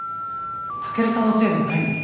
健さんのせいではないのに。